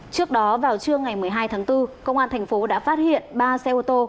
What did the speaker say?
trước đó vào trưa ngày một mươi hai tháng bốn công an thành phố đã phát hiện ba xe ô tô